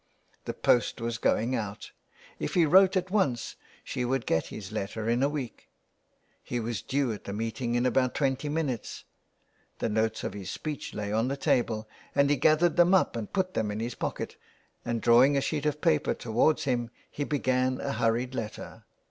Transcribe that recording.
The post was going out: if he wrote at once she would get his letter in a week. He was due at the meeting in about twenty minutes; the notes of his speech lay on the table, and he gathered them up and put them in his pocket, and drawing a sheet of paper towards him, he began a hurried letter.